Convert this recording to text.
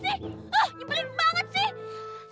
ah ngebelin banget sih